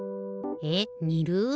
えっにる？